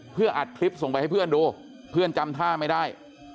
เพื่ออัดคลิปส่งไปให้เพื่อนดูเพื่อนจำท่าไม่ได้